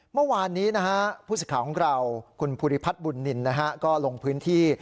เมื่อวานนี้นะฮะผู้สิทธิ์ของเราคุณภูริพัฒน์บุญนินก็ลงพื้นที่